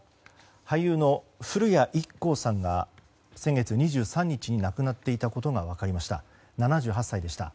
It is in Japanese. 俳優の古谷一行さんが先月２３日に亡くなっていたことが分かりました。